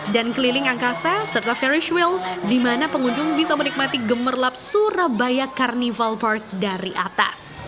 keliling angkasa serta verris wheel di mana pengunjung bisa menikmati gemerlap surabaya carnival park dari atas